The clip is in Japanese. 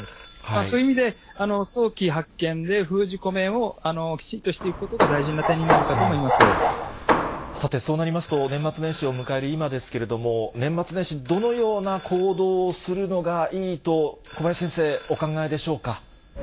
そういう意味で、早期発見で封じ込めをきちんとしていくことが大事な点になるかとさて、そうなりますと、年末年始を迎える今ですけれども、年末年始、どのような行動をするのがいいと、小林先生、お考えでしょうか。